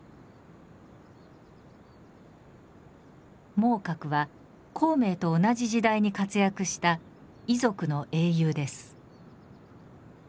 孟獲は孔明と同じ時代に活躍したイ族の英雄です。